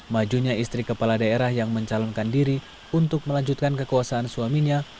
majunya istri kepala daerah yang mencalonkan diri untuk melanjutkan kekuasaan suaminya